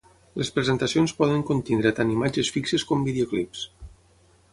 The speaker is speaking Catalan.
Les presentacions poden contenir tant imatges fixes com videoclips.